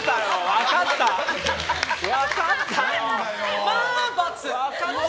分かった！